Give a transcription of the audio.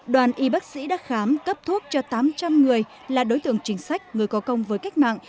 đoàn y bác sĩ đã khám cấp thuốc cho tám trăm linh người là đối tượng chính sách người có công với cách mạng